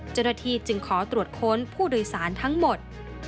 จรฐธีจึงขอตรวจค้นผู้โดยสารทั้งหมด